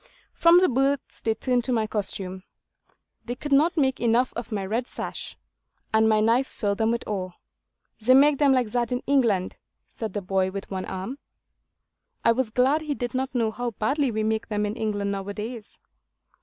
From the boats they turned to my costume. They could not make enough of my red sash; and my knife filled them with awe. 'They make them like that in England,' said the boy with one arm. I was glad he did not know how badly we make them in England now a days.